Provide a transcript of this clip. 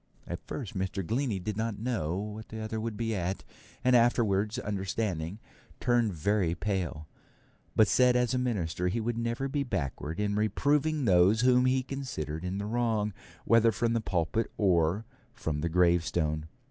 At first Mr. Glennie did not know what the other would be at, and afterwards understanding, turned very pale; but said as a minister he would never be backward in reproving those whom he considered in the wrong, whether from the pulpit or from the gravestone.